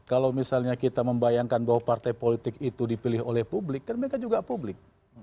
kalau misalnya kita membayangkan bahwa partai politik itu dipilih oleh publik kan mereka juga publik